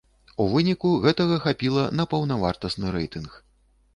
У выніку гэтага хапіла на паўнавартасны рэйтынг.